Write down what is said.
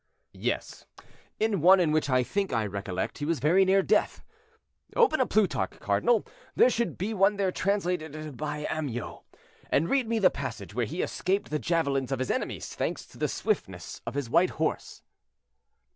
"Yes; in one in which I think I recollect he was very near death. Open a Plutarch, cardinal; there should be one there translated by Amyot, and read me the passage where he escaped the javelins of his enemies, thanks to the swiftness of his white horse."